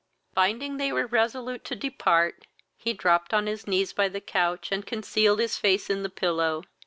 Finding they were resolute to depart, he dropped on his knees by the couch, and concealed his face in the pillow.